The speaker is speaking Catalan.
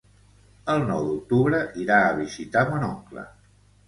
El nou d'octubre irà a visitar mon oncle.